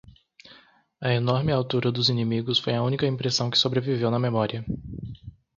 A enorme altura dos inimigos foi a única impressão que sobreviveu na memória.